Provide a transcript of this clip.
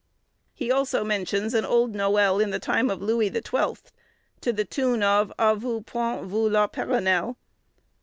_" He also mentions an old noël in the time of Louis the Twelfth, to the tune of "_A vous point vu la Perronelle?